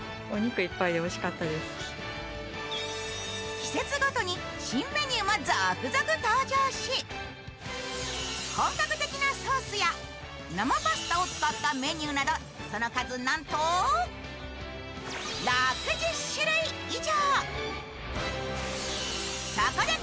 季節ごとに新メニューも続々登場し本格的なソースや生パスタを使ったメニューなどその数なんと６０種類以上。